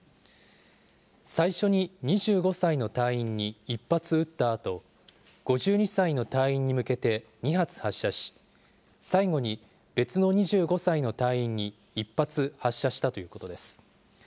最初に２５歳の隊員に１発撃ったあと、５２歳の隊員に向けて２発発射し、最後に別の２５歳の隊員に１発発射したということです。